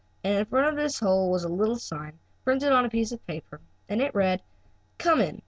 And in front of this hole was a little sign, printed on a piece of paper, and it read: "COME IN!